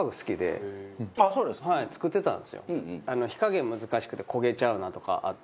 火加減難しくて焦げちゃうなとかあって。